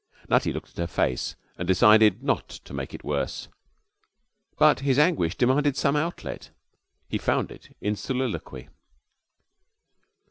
Nutty looked at her face, and decided not to make it worse. But his anguish demanded some outlet. He found it in soliloquy.